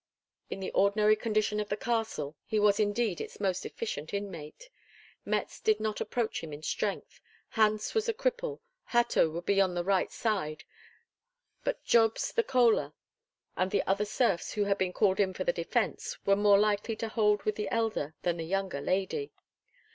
In the ordinary condition of the castle, he was indeed its most efficient inmate; Mätz did not approach him in strength, Hans was a cripple, Hatto would be on the right side; but Jobst the Kohler, and the other serfs who had been called in for the defence, were more likely to hold with the elder than the younger lady.